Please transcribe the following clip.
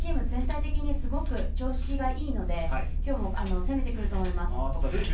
全体的に調子がいいのできょうも攻めてくると思います。